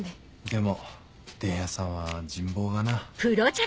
でも伝弥さんは人望がな。